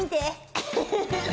ウフフフ！